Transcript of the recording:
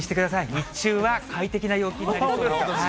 日中は快適な陽気になりそうです。